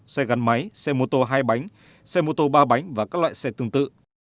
xe gắn máy xe mô tô hai bánh xe mô tô ba bánh và các loại xe tương tự